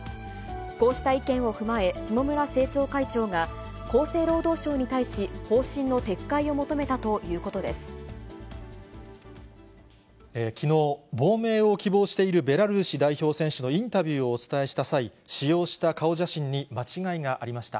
こうした意見を踏まえ、下村政調会長が厚生労働省に対し、方針の撤回を求めたということできのう、亡命を希望しているベラルーシ代表選手のインタビューをお伝えした際、使用した顔写真に間違いがありました。